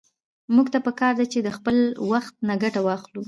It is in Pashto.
موږ ته په کار ده چې له خپل وخت نه ګټه واخلو.